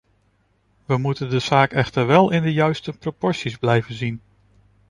We moeten de zaak echter wel in de juiste proporties blijven zien.